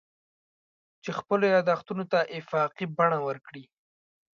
چې خپلو یادښتونو ته افاقي بڼه ورکړي.